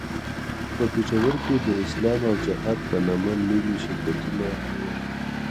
په پېښور کې د اسلام او جهاد په نامه نوي شرکتونه وو.